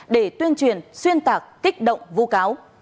để tuyên truyền xuyên tạc kích động vu cáo